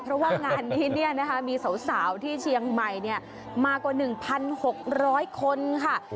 เพราะว่างานนี้มีสาวที่เชียงใหม่มากว่า๑๖๐๐คนค่ะ